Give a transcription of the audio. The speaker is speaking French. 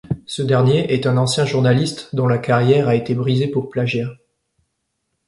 Ce dernier est un ancien journaliste dont la carrière a été brisée pour plagiat.